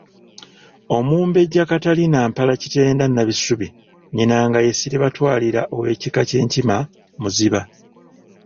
Omumbejja Katarina Mpaalikitenda Nabisubi, nnyina nga ye Siribatwalira ow'ekika ky'Enkima Muziba.